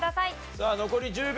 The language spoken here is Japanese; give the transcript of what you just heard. さあ残り１０秒。